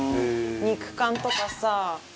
肉感とかさ。